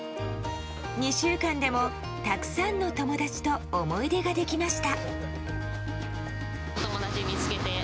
２週間でも、たくさんの友達と思い出ができました。